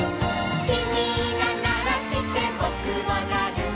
「きみがならしてぼくもなる」